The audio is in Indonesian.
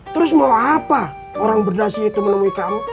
terus mau apa orang berdasi itu menemui kamu